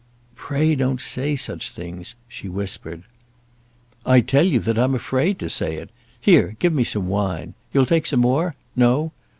"Pray don't say such things," she whispered. "I tell you that I'm afraid to say it. Here; give me some wine. You'll take some more. No?